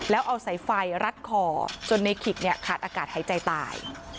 แล้วเอาสายไฟรัดคอจนในขิกขาดอากาศหายใจตาย